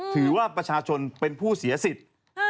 ถือว่าประชาชนเป็นผู้เสียสิทธิ์